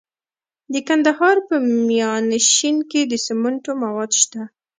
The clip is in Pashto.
د کندهار په میانشین کې د سمنټو مواد شته.